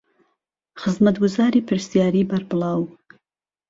خزمەتگوزارى پرسیارى بەربڵاو